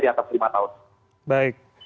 di atas lima tahun